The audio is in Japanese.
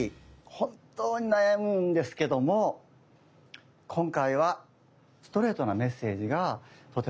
本当に悩むんですけども今回はストレートなメッセージがとてもすてきでした。